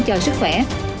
cho sức khỏe